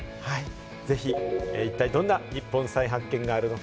一体どんな日本再発見があるのか？